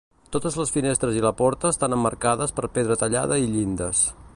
Totes les finestres i la porta estan emmarcades per pedra tallada i llindes.